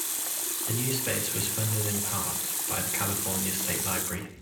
The new space was funded in part by the California State Library.